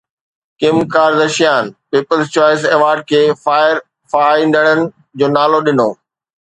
Kim Kardashian people's choice award کي فائر فائائيندڙن جو نالو ڏنو